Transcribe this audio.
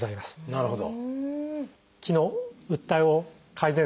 なるほど。